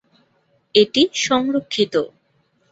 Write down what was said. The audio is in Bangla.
এটি সংরক্ষিত।